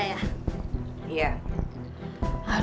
kamu bukan esma kan